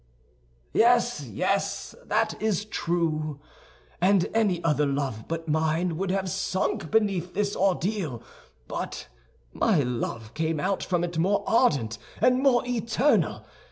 "Yes, yes, that is true. And any other love but mine would have sunk beneath this ordeal; but my love came out from it more ardent and more eternal.